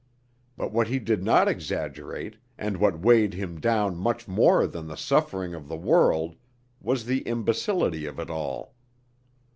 But what he did not exaggerate and what weighed him down much more than the suffering of the world was the imbecility of it all.